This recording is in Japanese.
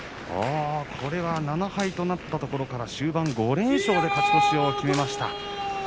７敗となったところから終盤５連勝で勝ち越しを決めました。